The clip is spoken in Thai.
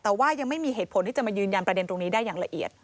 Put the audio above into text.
แต่ว่ายังไม่มีเหตุผลที่จะมายืนยันประเด็นตรงนี้ได้อย่างละเอียด